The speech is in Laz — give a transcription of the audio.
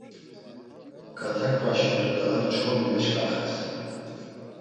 K̆at̆a kvaşi tude ar çxombi meşǩaxes.